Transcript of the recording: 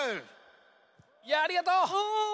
ありがとう。